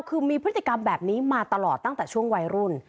คือมีพฤติกรรมแบบนี้มาตลอดตั้งแต่ช่วงวัยรุ่น